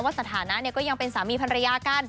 สถานะก็ยังเป็นสามีภรรยากัน